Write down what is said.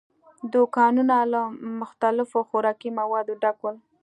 دوکانونه له مختلفو خوراکي موادو ډک ول.